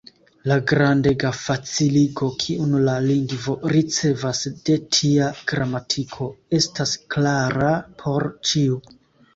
La grandega faciligo, kiun la lingvo ricevas de tia gramatiko, estas klara por ĉiu.